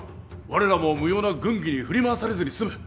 我らも無用な軍議に振り回されずに済む